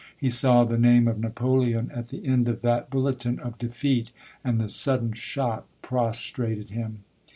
He saw the name of Napoleon at the end of that bulletin of defeat, and the sudden shock prostrated him.